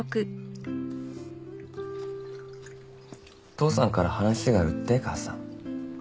父さんから話があるって母さん。